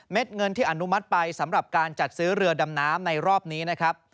เงินที่อนุมัติไปสำหรับการจัดซื้อเรือดำน้ำในรอบนี้นะครับ